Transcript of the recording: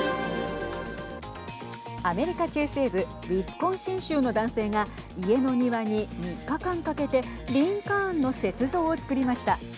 アメリカ中西部ウィスコンシン州の男性が家の庭に、３日間かけてリンカーンの雪像を作りました。